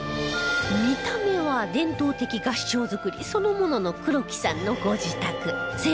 見た目は伝統的合掌造りそのものの黒木さんのご自宅